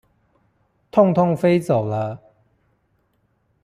痛痛飛走了